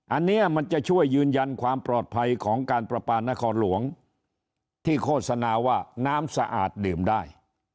อันนี้มันจะช่วยยืนยันความปลอดภัยของการประปานครหลวงที่โฆษณาว่าน้ำสะอาดดื่มได้